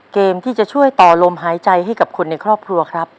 เกมที่จะช่วยต่อลมหายใจให้กับคนในครอบครัวครับ